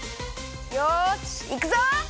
よしいくぞ！